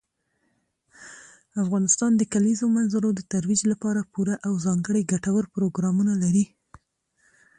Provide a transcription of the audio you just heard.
افغانستان د کلیزو منظره د ترویج لپاره پوره او ځانګړي ګټور پروګرامونه لري.